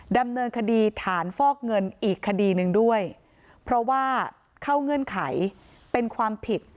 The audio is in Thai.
ดำเนินคดีฐานฟอกเงินอีกคดีหนึ่งด้วยเพราะว่าเข้าเงื่อนไขเป็นความผิด